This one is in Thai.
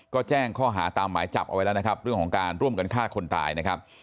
ก็แจ้งข้อหาตามหมายจับเอาไว้แล้วนะครับเรื่องของการร่วมกันฆ่าคนตายนะครับ